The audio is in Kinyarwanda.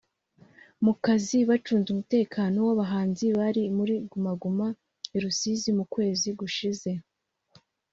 mu kazi bacunze umutekano w'abahanzi bari muri Guma Guma i Rusizi mu kwezi gushize